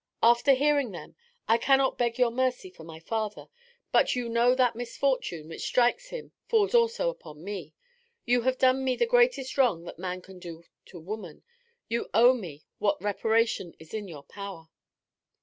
After hearing them, I cannot beg your mercy for my father but you know that misfortune which strikes him falls also upon me. You have done me the greatest wrong that man can do to woman; you owe me what reparation is in your power.'